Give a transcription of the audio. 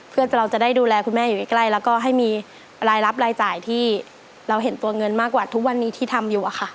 เพื่อเราจะได้ดูแลคุณแม่อยู่ใกล้แล้วก็ให้มีรายรับรายจ่ายที่เราเห็นตัวเงินมากกว่าทุกวันนี้ที่ทำอยู่อะค่ะ